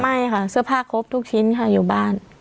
ไม่ค่ะเสื้อผ้าครบทุกชิ้นค่ะอยู่บ้าน